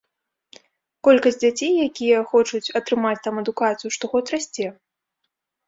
Колькасць дзяцей, якія хочуць атрымаць там адукацыю, штогод расце.